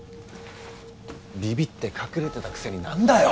ビビって隠れてたくせになんだよ！